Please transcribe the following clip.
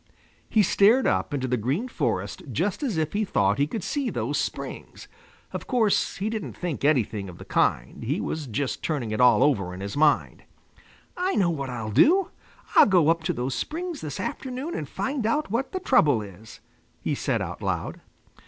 He stared up into the Green Forest just as if he thought he could see those springs. Of course, he didn't think anything of the kind. He was just turning it all over in his mind. "I know what I'll do! I'll go up to those springs this afternoon and find out what the trouble is," he said out loud.